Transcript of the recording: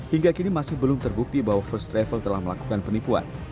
hingga kini masih belum terbukti bahwa first travel telah melakukan penipuan